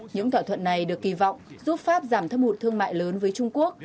những thỏa thuận này được kỳ vọng giúp pháp giảm thâm hụt thương mại lớn với trung quốc